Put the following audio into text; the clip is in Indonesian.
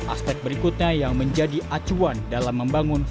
aspek berikutnya yang menjadi acuan dalam membangun